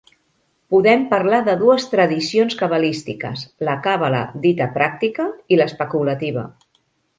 Podem parlar de dues tradicions cabalístiques: la càbala dita pràctica i l'especulativa.